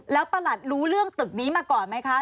แล้วประหลัดรู้เรื่องตึกนี้มาก่อนไหมคะ